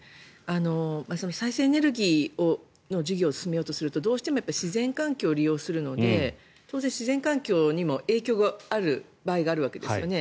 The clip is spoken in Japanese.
再生エネルギーの事業を進めようとするとどうしても自然環境を利用するので当然、自然環境にも影響がある場合があるわけですよね。